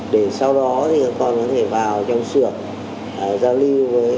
để sau đó thì các con có thể vào trong xưởng giao lưu với người biết